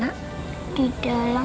ituk saestini ego dalkian